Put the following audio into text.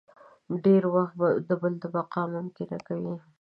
ډېری وخت د بل بقا ممکنه کوي.